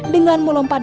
dengan menjaga kemampuan